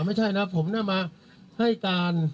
ไม่ใช่นะครับผมน่ามาให้การ